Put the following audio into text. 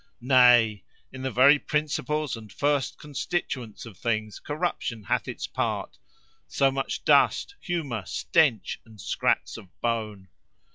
Nay! in the very principles and first constituents of things corruption hath its part—so much dust, humour, stench, and scraps of bone!